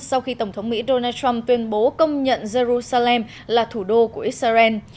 sau khi tổng thống mỹ donald trump tuyên bố công nhận jerusalem là thủ đô của israel